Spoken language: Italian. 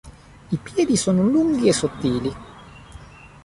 I piedi sono lunghi e sottili.